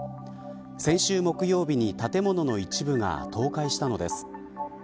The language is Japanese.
先週木曜日に建物の一部が倒壊したのです。